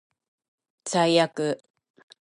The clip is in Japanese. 最悪